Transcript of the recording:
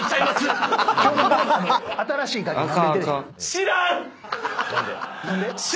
知らん！